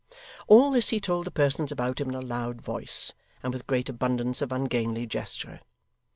All this he told the persons about him in a loud voice, and with great abundance of ungainly gesture.